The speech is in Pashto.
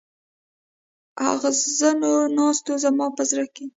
اغزنو ناستو زما په زړه کې.